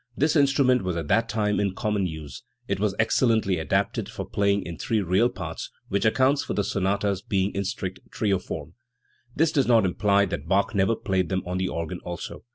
This instrument was at that time in common use. It was excellently adapted for playing in three real parts, which accounts for the sonatas being in strict trio form. This does not imply that Bach never played them on the organ also.